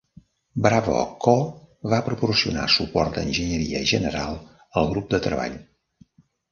Bravo Co va proporcionar suport d'enginyeria general al grup de treball.